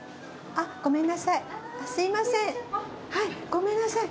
ごめんなさい。